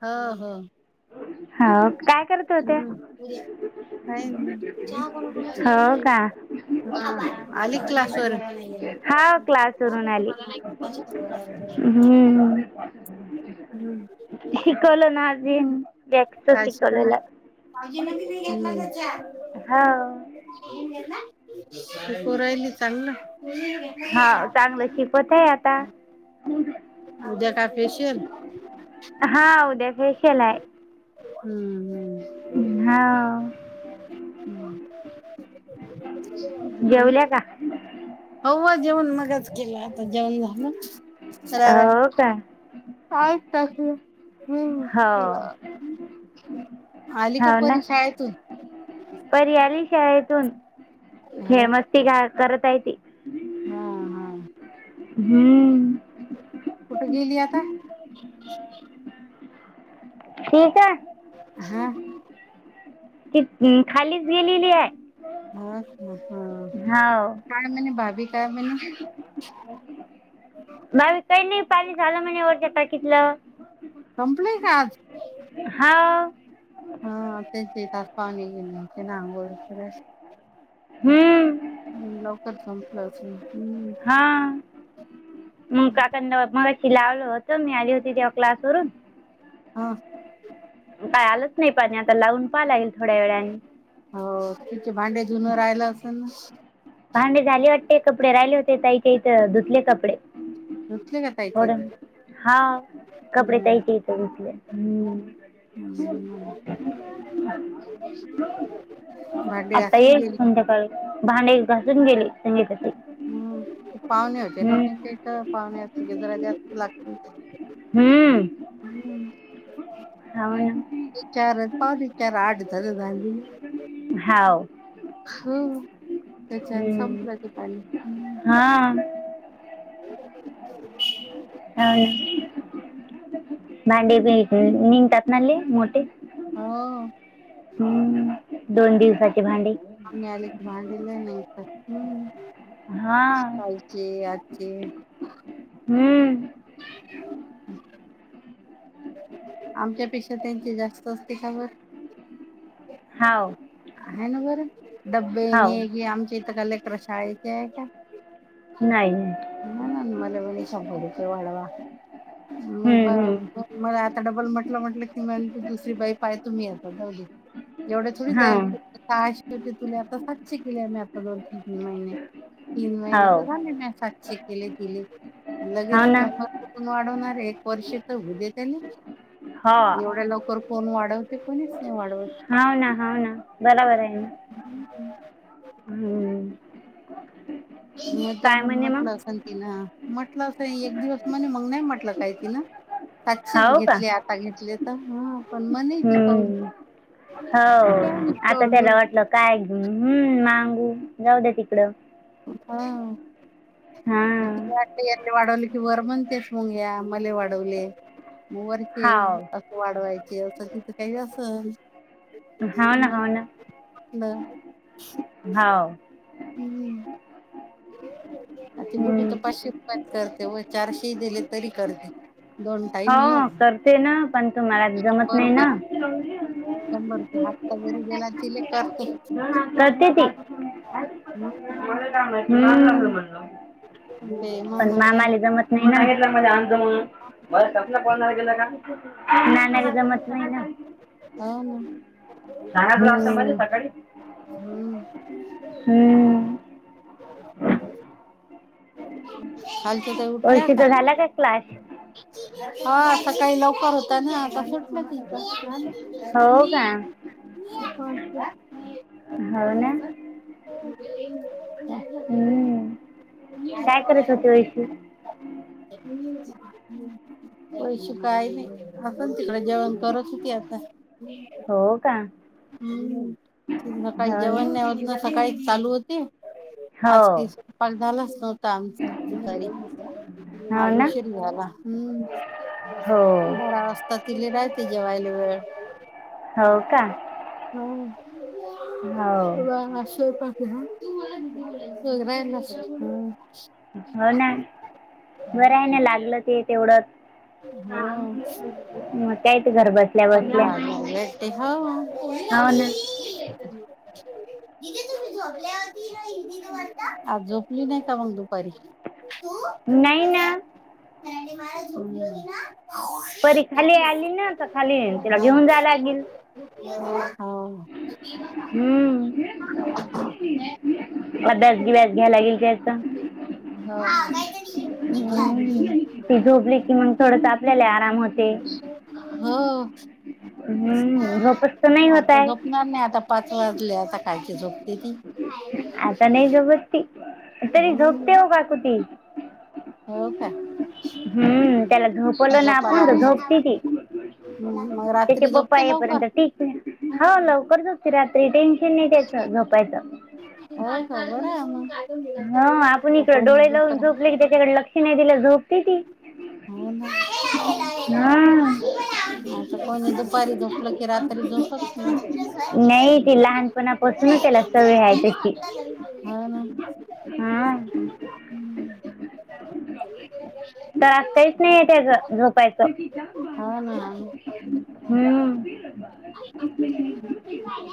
ह ह.. हो काय करत होते हमं. हो का [unintelligible] आली क्लास वरून. हा. क्लास वरून आली. हम्म. हम्म शिकवलं ना आजीनं [unintelligible] शिकवलेलं हाय. भाऊजींना दिली घेतला का चहा? हो [unintelligible] शिकू राहिली चांगलं. [unintelligible] हा. उद्या काय फेशियल उद्या स्पेशल हाय. हम्म हम्म. हो हम्म देतील जेवल्या का हो. हो. जेवण मगच, केलं आता जेवण झालं. हो का पाईप टाकलं नेऊन हो ठेवा. आली का? हो ना परी शाळेतून. परी आली शाळेतून. हे मस्ती करत आहे. ती मोहन. हम्म. कुठे गेली? आता. हे काय हा... ती खालीच गेलेली आहे. हाच ना हा हो काय म्हणे भाभी काय म्हणे? काय? नाही पाणी झालं. म्हणे वरच्या टाकीतलं. संपलय काय? आज. हा.. व हा. ते एक, एक ते रांगोळी [unintelligible] हम्म. हम्. लवकर संपलं असं हम्म. हा मग काका मगशी लावलं होतं मी आली होती तेव्हा क्लासवरून. हा. काय? आलंच नाही पाणी. आता लावून पाहाय येईल थोड्या वेळाने. हो तिचे भांडे जुना राहिलं असेल ना. भांडे झाले वाटते कपडे राहिले होते ताईच्या इथ धुतले कपडे. धुतले का ताईच्या थोडं इथ? हा कपडे ताईच्या इथे धुतले. हम्म भांडे आता घासून ये गेली संध्याकाळी. भांडे घासून गेले संगीताचे हम् पाहुणे होते ना त्यांच्या इथ पाहुणे असते की जरा जास्त लागतील. हम्म. हम्म [unintelligible] वि चार पाव त चार आठ तर झाली. हाव. हो, त्याच्यान हम्म संपल ते पाणी हम्म. हा. भांडे निघतात ना लय मोठे? हो हम्म दोन दिवसाची भांडे. पाहुणे आले की भांडे लय निघतात. हम्म. हा कालचे आजचे. हम्म [unintelligible] आमच्यापेक्षा त्यांची जास्त असते का बर? हाव आहे ना बरं हाव डब्बेने कि आमच्या इथं कळक प्रशालेची है क्या? नाही. नाही नाही मला मणी शंभर रुपये वाढवा मी ब हम्म हम्म मला आता डबल म्हटलं म्हटलं की म्हण दुसरी बाई पाहतो मी आता जाऊदे. एवढे थोडी हाव जाल सहाशे होते, तुला आता सातशे केले मी आता दोन तीन महिने. तीन महिने हाव तर झाले मी सातशे केले दिले हाव लगेच ना जहर कुठून वाढवणार आहे? एक वर्ष तर होऊदे त्याले. हा एवढ्या लवकर कोण वाढवते? कोणीच नाही वाढवत. हाव ना हाव ना बरोबर आहे ना [unintelligible] हम्म. काय मुद्दामून म्हणे मग म्हटलं असं ना तिन, म्हटलं असं एक दिवस म्हणे मग नाही म्हटलं काय तिन? सातशेचच हाव का घेतले आता घेतले हा आपण मनीच करू हम्म. हो काच आता त्याला करू. वाटलं काय घेऊन हम्म मांगू जाऊ द्या तिकडं. हा हा खालती काट. वाढवले की वर मणतेस मग या मले वाढवले मग वरती. हाव वाढवायचे असं तिथं काही असल. हाव ना हाव ना मग तर हाव हम्म. आ ती बुढी हम्म. तर पाचशे रुपयात करते व चारशे दिले तरी करते. दोन टाईम हो येऊन करते ना पण तुम्हाला जमत शंभर नाही रुपये ना हातात. शंभर रुपये हातच्या जरी घरात दिले तर. करते ती, हम्म हम्म ते पण मामा नाही आम्हाले जमत नाही ना [inaudible] [unintelligible] नाय नाय रे जमत नाय ना. हो ना. शाळात जायचं मले सकाळी हम्म. हम्म हम्म. [unintelligible] खालचं तर. वैशू चा झाला का क्लास? हा. [unintelligible] सकाळी लवकर होता, ना आता सुटला तिचा. हो का हो ना [unintelligible] हम्म.. काय करत होती [unintelligible] ओळशी [unintelligible] तुळशी काय नाही. आपण तिकड जेवण करत होती. आता, हो का? ह् तुला काय हो ना जेवण नाही होत ना सकाळी चालू होती? [unintelligible] हो आज स्पेशल कॉल झालाच नव्हता आमचा दुपारी हो आज ना उशीर झाला. हमं. हो तर तिले राहते, जेवायला वेळ. हो का? हो [unintelligible] [unintelligible] हो. ना, बरं. हाय ना लागलं ते तेवढंच. हो.. काय ते घर बसल्या बसल्या पंधरा हजार भेटते हो. हो ना [unintelligible] आज झोपली नाय का? मग, दुपारी. तू रूम नाही ना मध्ये [unintelligible] मला झोपली होती ना? परी खाली आली ना तर, खाली तिला घेऊन जायला लागील. [unintelligible] हं.. [unintelligible] हम्म. अभ्यास, बिब्यास घ्यायला इल की याच. हां.. ती झोपली की मग, थोडस आपल्याला आराम होते. हो. हम्म झोपेत तर नाही होत आता, आहे झोपणार नाय आता, पाच वाजले आता कायची झोपते ती. आता. नाही झोपत ती तरी हम्म झोपते, ओ काकू ती. हो. का? हम्म त्याला झोपवलं ना झोपाला आपण तर झोपते आला ती [unintelligible] मग, त्याचे रात्री पप्पा झोपते लवकर. येईपर्यंत ठीक आहे. हो. लवकर झोपते, रात्री टेन्शन नाय त्याचं झोपायचं. होय खबर आहे हा आपण मग इकड कोणी डोळे लावून दुपारी झोपले की त्याच्याकडे लक्ष नाही दिलं झोप ती. ती. हो. ना हं आता कोणी दुस दुपारी झोपलं की, रात्री झोप येत नाही. पणापासूनच त्याला सवय हाय तशी. हो ना. हं.. हम्म. त्रास काहीच नाय. त्याचं झोपायचं. हो ना आणि हंम.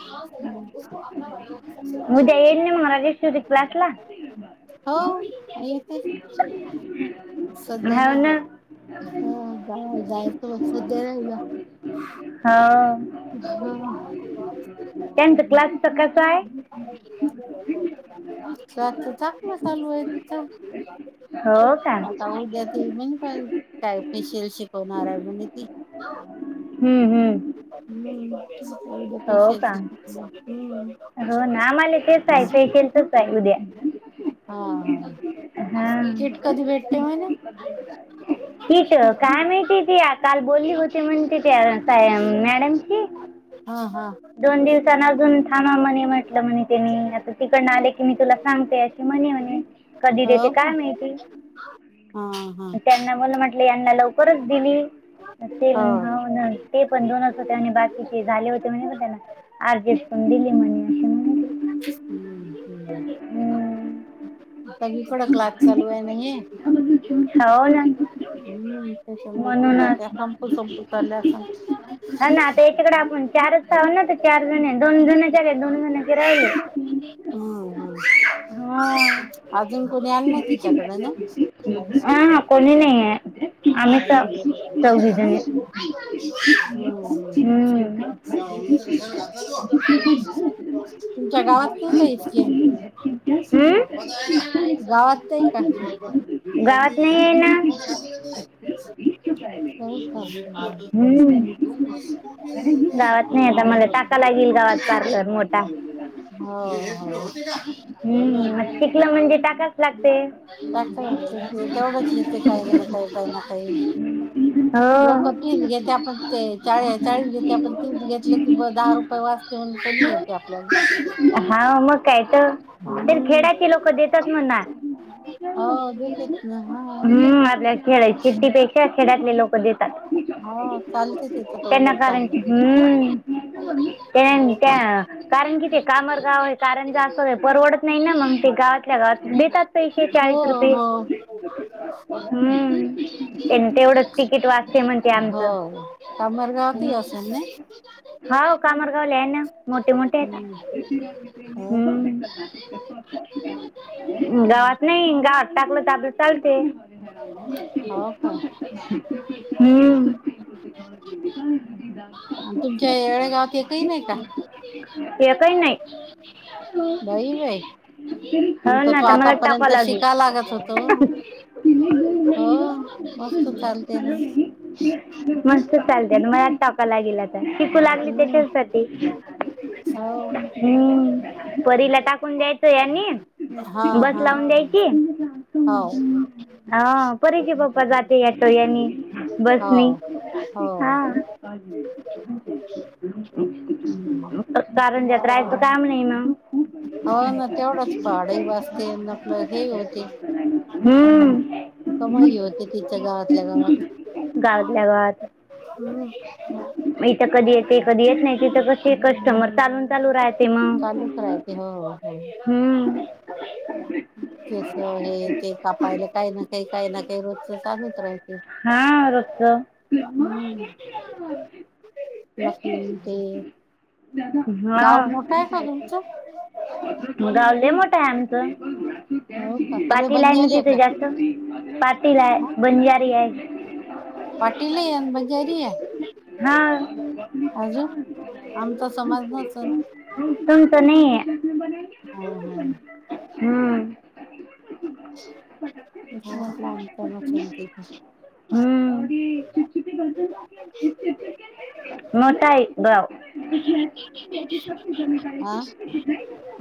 [unintelligible] उसको अपना बनाना सबसे बडा उद्या चॅलेंज येईल ना मग राजेश्वरी क्लासला है. हो येते, सध्या हो नाही ना जात. हो [unintelligible] हा त्याचं क्लासचं कसं आहे. टास्क टाकनं तर चालू हाय तिचं. हो. का? आता उद्या ती पण काय काय स्पेशल शिकवणार हाय म्हने ती. हम्म हम्म. [unintelligible] हम्म. [unintelligible] [inaudible] हम्म. का हो ना आम्हाला तेच आहे फेशियलचंच आहे उद्या हा हा, हा कीट कधी भेटते म्हणे. कीट काय माहिती ती, काल बोली होती म्हणते ते काय. हा हा. दोन दिवसांन अजून थांबा म्हणे म्हटलं म्हणे, तिनी आता तिकडन आले की मी तुला सांगते. म्हणे, म्हणे कधी देते हो का काय माहिती. हा हा. त्यांना मला म्हटलं यांना लवकरच दिली, ते हा. हो ना. ते पण दोनच होते आणि बाकीचे झाले होते म्हणे, पण त्यांना ऍडजस्ट करून दिले म्हणे. ती. हम्म हम्म. हम्म. सकाळीकडंच क्लास चालू आहे ना हे. हो ना हम्म कशाला ते म्हणूनच टाका, [unintelligible] असंन होय ना आता याच्याकडे आपण चारचं आहो ना, तर चार जण, दोन जण गेले दोन महिन्याचे राहिले हम्म हम्म. हा. अजून कोणी आलं नाही तिच्याकडे ना? हा हा, कोणी नये. हम्म हम्म. तुमच्या गावात नाही का ही स्कीम? गावात नाही का? तुझी मम्मी [inaudible] गावात नाही आहे हो ना गावात नाही आता मला टाका लागेल गावात का. पार्लर [inaudible] मोठा हो हम्म मग शिकलं म्हणजे हो. टाकाच लागते असं असं ते तेवढंच येतं काय गेलं काय, काही ना काही. हो लोक तीस घेता. आपण ते चाळी चाळीस घेते. आपण तीस घेतलं की ब दहा रुपये वाजते म्हणून, कमी घेत हा मग काय तर, पण हम्म. खेड्याची लोकं देतात म्हणा. हो देतेच ना हा हम्म, आपल्या खेळायची सिटीपेक्षा खेड्यातले लोक देत हो, चालते तिथं, त्यांना पहिलंच कारण चांगल. हम्म, त्येन त्या. कारण कि ते कामर गाव हाय कारण जास्त वेळ परवडत नाही ना मग ते गावातल्या गावात देतात पैसे चाळीस हो रुपये हो हू ऐन तेवढच तिकीट वाचते म्हण हो कामर गावात ही असेल नई हाव कामार गावले हाय ना मोठे मोठे हायता हम्म. हो हू का हम्म. गावात नाही गावात टाकलं तर आपलं चालते हो हू का मग तुमच्या येळे गावात एकही नाही का ऐक ही नाही बाई बाईं हो आमचा ना तो तर मला टाकावं आतापर्यंत लागेल शिका लागत होतो हो मस्त चालते ना मस्त चालतेना मला आज टाकाय लागेल आता शिकू लागली हम्म. त्याच्यासाठी हम्म. परीला टाकून द्यायचं यांनी [unintelligible] हा बस हा लावून द्यायची हो. हा परीचे पप्पा जाते याटो यानी हो बसनी हो हा. [unintelligible] कारंजात राहायचं काय काम नाही ना हो. ना. तेवढंच पहाड ही वाचते आपलं हे होते. हम्म. आत्ता नाहीये वाटतं तिच्या गावातल्या गावात गावातल्या गावात. हम् ह [unintelligible] इथं कधी येते कधी येत नाही तिथं कशी कस्टमर चालून चालू राहत चालूच राहते हो हो. हम्म केस हे ते कापायला काही ना काही काही ना काही रोजचं चालत राहील. हा. रोजचं. [unintelligible] [unintelligible] लखनऊ ते हा. गाव मोठं आहे का तुमचं मग, गाव लय मोठा आहे आमचं. हो का सगळे पाटील आहे ना बंजारी का तुझ्याकड, पाटील आहे. बंजारी आहे. पाटीलही आहे. बंजारी ही आहे. हा अजून आमचा समाज [unintelligible] तुमचं नाही आहे. हा हा. हम्म. घ्यावाच लागेल तर मग समते तर [unintelligible] हम्म. मोठंय गाव.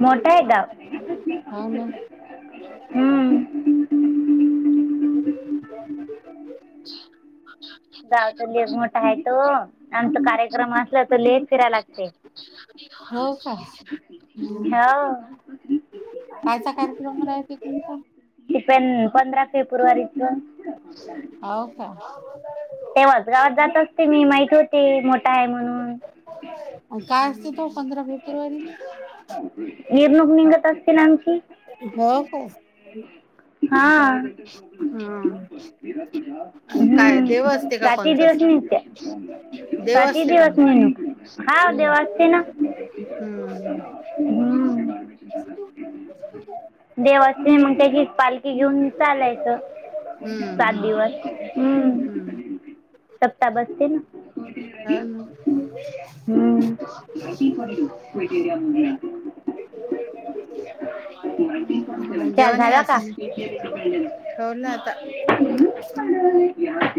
मोठा आहे गाव हौ ना. हम्म. [unintelligible] गावचा लेक मोठा आहे तो आमचा कार्यक्रम असला तर लय फिरायला लाग हो का? हम्म. हो. कायचा कार्यक्रम रायचा तुमचा? ते पण पंधरा फेब्रुवारीच हो का? तेव्हाच गावात जात असते मी माहित होती मोठा आहे म्हणून. काय असते तो पंधरा फेब्रुवारीला? निवडणूक निघत असते ना आमची [unintelligible] हो. हो. हा. आणि हू काय देव असते का प्राती कोणताच दिवस नेत्या देव पाचही असते का मग दिवसनी [unintelligible] नू हा देव असते ना. हम्म हं. देव असतो [unintelligible] म्हणत की पाल ते घेऊन चालायचं सात हम्म दिवस हम्म. सत्ता बसतेन [unintelligible] हा ना हं. [unintelligible] ना मग [unintelligible] चहा जेवण आहे झाला का? असं [unintelligible] ठेवलं आता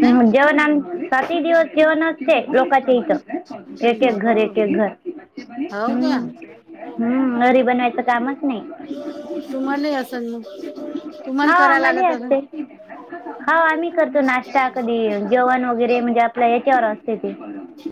नाही आम सातही दिवस जेवनच. लोकाची इथं. एकेक घर एकेक घर. हो हम्म का हम्म घरी बनवायचं कामच नाही. तुम्हाले असेल. तुम्हाला हा करावं आम्हालाही लागत असते. असेल हा आम्ही करतो नाश्ता कधी जेवण वगैरे म्हणजे आपल्या याच्यावर असते ते.